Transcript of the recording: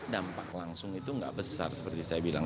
dampak langsung itu nggak besar seperti saya bilang